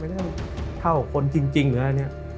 ไม่ได้เข้าคนจริงหรืออะไรแบบนี้